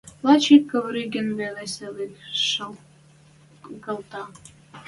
Лач ик Ковригин веле сылык шалгалта.